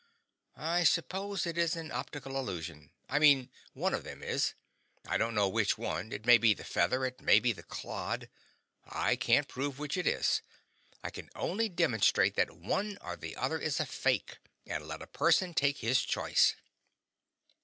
I suppose it is an optical illusion. I mean, one of them is. I don't know which one. It may be the feather, it may be the clod; I can't prove which it is, I can only demonstrate that one or the other is a fake, and let a person take his choice.